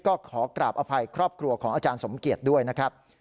ก็ขอกราบอภัยครอบครัวของอาจารย์สมเกียจด้วยนะครับ